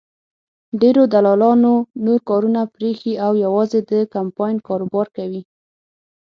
ډېرو دلالانو نور کارونه پرېښي او یوازې د کمپاین کاروبار کوي.